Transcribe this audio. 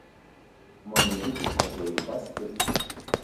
Moneki tikpatioitaskej